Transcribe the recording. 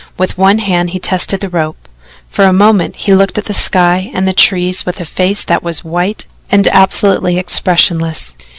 With one hand he tested the rope. For a moment he looked at the sky and the trees with a face that was white and absolutely expressionless.